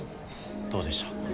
どうでした？